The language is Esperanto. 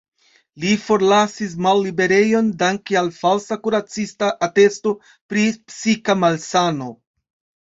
Li forlasis malliberejon danke al falsa kuracista atesto pri psika malsano.